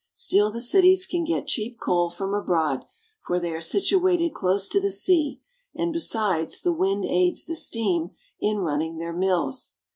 Still, the cities can get cheap coal from abroad, for they are situated close to the sea, and, besides, the wind aids the steam in running their mills.